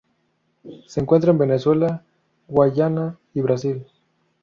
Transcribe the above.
Se encuentra en Venezuela, Guyana y Brasil.